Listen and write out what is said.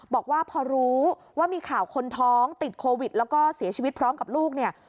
บอกว่าพอรู้ว่ามีข่าวคนท้องติดโควิดแล้วก็เสียชีวิตพร้อมกับลูกเนี่ย